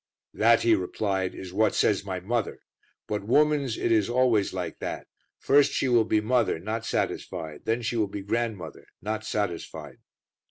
"That," he replied, "is what says my mother. But womans it is always like that. First she will be mother, not satisfied; then she will be grandmother, not satisfied."